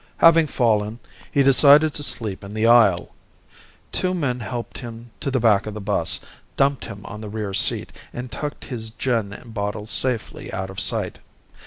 Having fallen, he decided to sleep in the aisle. Two men helped him to the back of the bus, dumped him on the rear seat, and tucked his gin bottle safely out of sight.